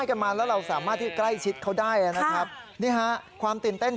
โอ้ยนู่น